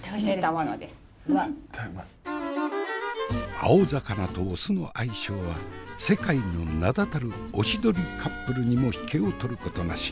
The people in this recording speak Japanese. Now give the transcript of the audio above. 青魚とお酢の相性は世界の名だたるおしどりカップルにも引けを取ることなし。